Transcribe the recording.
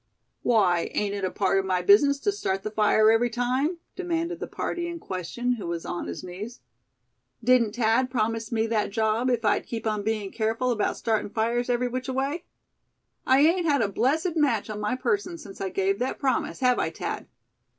"Why, ain't it a part of my business to start the fire every time?" demanded the party in question, who was on his knees; "didn't Thad promise me that job if I'd keep on being careful about startin' fires every which way? I ain't had a blessed match on my person since I gave that promise, have I, Thad?